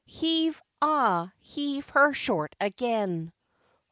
Heave, ah heave her short again!